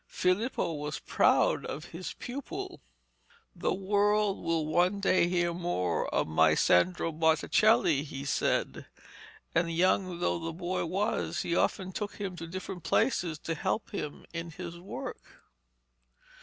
Filippo was proud of his pupil. 'The world will one day hear more of my Sandro Botticelli,' he said; and, young though the boy was, he often took him to different places to help him in his work.